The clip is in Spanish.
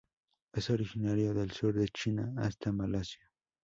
Es originario del sur de China hasta Malasia.